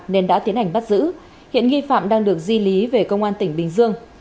nên đã tiến hành bắt giữ hiện nghi phạm đang được di lý về công an tỉnh bình dương